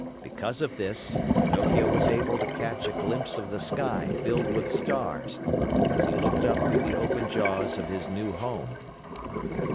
Because of this, Pinocchio was able to catch a glimpse of the sky filled with stars, as he looked up through the open jaws of his new home.